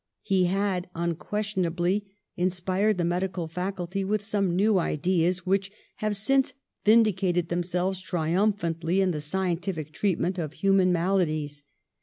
He had unquestionably inspired the medical faculty with some new ideas which have since vindicated themselves triumphantly in the scientific treatment of human maladies.